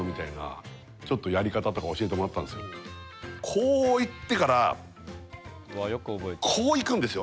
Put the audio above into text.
こういってからこういくんですよ